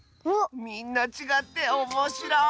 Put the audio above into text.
みんなちがっておもしろい！